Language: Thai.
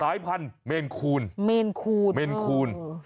สายพันธุ์เมนคูณ